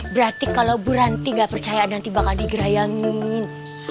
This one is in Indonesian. berarti kalau bu ranti gak percaya nanti bakal digerayangin